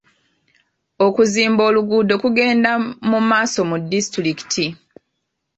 Okuzimba oluguudo kugenda mu maaso mu disitulikiti.